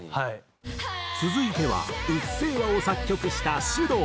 続いては『うっせぇわ』を作曲したｓｙｕｄｏｕ。